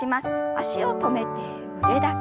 脚を止めて腕だけ。